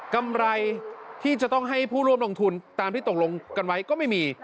กำไรที่จะต้องให้ผู้ร่วมลงทุนตามที่ตกลงกันไว้ก็ไม่มี